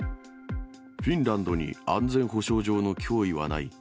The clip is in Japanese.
フィンランドに安全保障上の脅威はない。